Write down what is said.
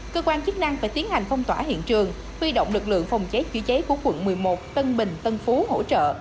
cơ quan chức năng phải tiến hành phong tỏa hiện trường huy động lực lượng phòng cháy chữa cháy của quận một mươi một tân bình tân phú hỗ trợ